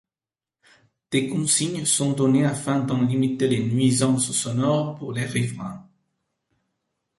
Des consignes sont données afin d'en limiter les nuisances sonores pour les riverains.